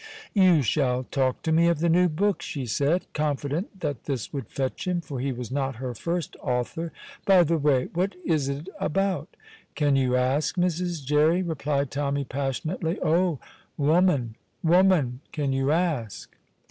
"You shall talk to me of the new book," she said, confident that this would fetch him, for he was not her first author. "By the way, what is it about?" "Can you ask, Mrs. Jerry?" replied Tommy, passionately. "Oh, woman, woman, can you ask?"